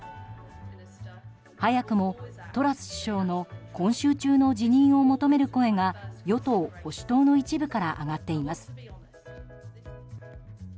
早くも、トラス首相の今週中の辞任を求める声が与党・保守党の一部から上がっています。